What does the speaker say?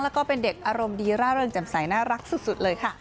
แล้วก็เป็นเด็กอารมณ์ดีร่าเริงจำใสน่ารักสุดเลยค่ะ